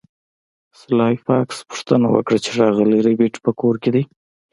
سلای فاکس پوښتنه وکړه چې ښاغلی ربیټ په کور کې دی